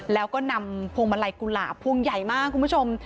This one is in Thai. แล้วก็นำพวงมาลัยกุหลาบพวงใหญ่มากคุณผู้ชม